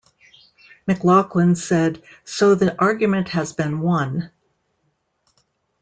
McLoughlin said So the argument has been won.